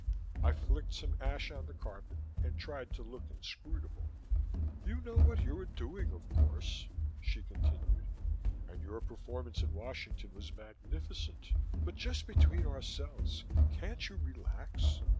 I flicked some ash on the carpet and tried to look inscrutable. "You know what you are doing, of course," she continued, "and your performance in Washington was magnificent, but just between ourselves, can't you relax?"